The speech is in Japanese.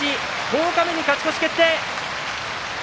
十日目に勝ち越し決定。